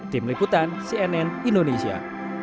tim liputan cnn indonesia